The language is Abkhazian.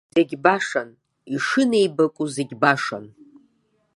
Зегьы башан, ишынеибакәу зегьы башан.